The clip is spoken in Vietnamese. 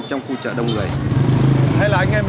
trong khu chợ đông ngày